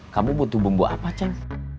kamu butuh bumbu apa ceng